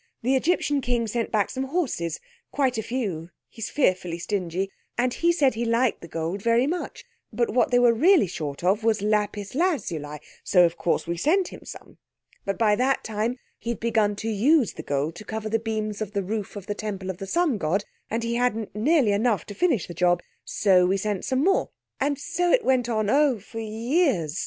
The Egyptian king sent back some horses—quite a few; he's fearfully stingy!—and he said he liked the gold very much, but what they were really short of was lapis lazuli, so of course we sent him some. But by that time he'd begun to use the gold to cover the beams of the roof of the Temple of the Sun God, and he hadn't nearly enough to finish the job, so we sent some more. And so it went on, oh, for years.